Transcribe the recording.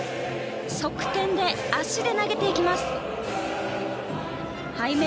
側転で足で投げていきます。